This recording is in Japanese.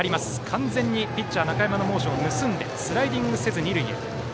完全にピッチャー中山のモーションを盗んでスライディングせず二塁へ。